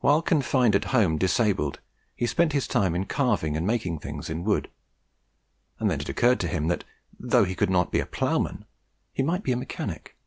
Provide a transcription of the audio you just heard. While confined at home disabled he spent his time in carving and making things in wood; and then it occurred to him that, though he could not now be a ploughman, he might be a mechanic.